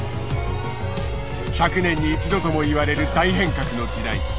１００年に一度ともいわれる大変革の時代。